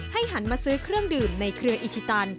หันมาซื้อเครื่องดื่มในเครืออิชิตัน